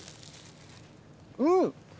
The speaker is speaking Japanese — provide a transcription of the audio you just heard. うん！